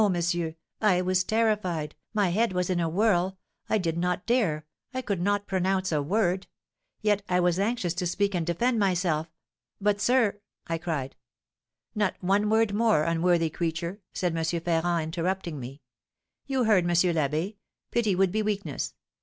monsieur, I was terrified, my head was in a whirl, I did not dare, I could not pronounce a word, yet I was anxious to speak and defend myself. 'But sir ' I cried. 'Not one word more, unworthy creature,' said M. Ferrand, interrupting me. 'You heard M. l'Abbé. Pity would be weakness.